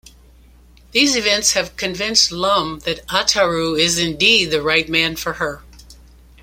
These events have convinced Lum that Ataru is indeed the right man for her.